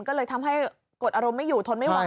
ก็เลยทำให้กดอารมณ์ไม่อยู่ทนไม่ไหว